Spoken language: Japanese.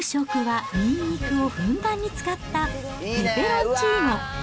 夕食はニンニクをふんだんに使ったペペロンチーノ。